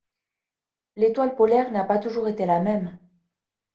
L'étoile polaire n'a pas toujours été la même.